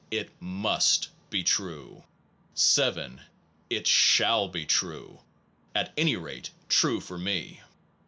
It must be true; 7. It shall be true, at any rate true for me.